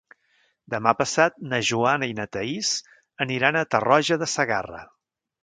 Demà passat na Joana i na Thaís aniran a Tarroja de Segarra.